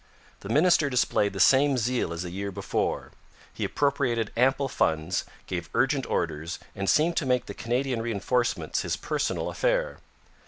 The minister displayed the same zeal as the year before. He appropriated ample funds, gave urgent orders, and seemed to make the Canadian reinforcements his personal affair.